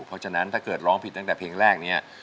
เพราะฉะนั้นถ้าเกิดร้องผิดตั้งแต่เพลงแรกนี้